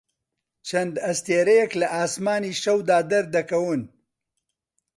چەند ئەستێرەیەک لە ئاسمانی شەودا دەردەکەون.